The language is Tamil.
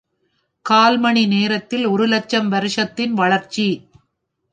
கால்மணி நேரத்தில் ஒருலட்சம் வருஷத்தின் வளர்ச்சி!